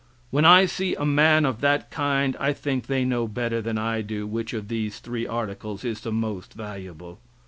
When I see a man of that kind, I think they know better than I do which of these three articles is the most valuable.